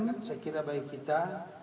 saya kira baik kita